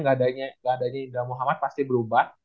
ga adanya ibn muhammad pasti berubah